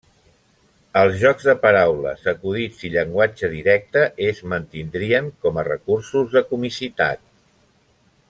Els jocs de paraules, acudits i llenguatge directe es mantindrien com a recursos de comicitat.